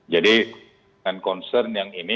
jadi dengan concern yang ini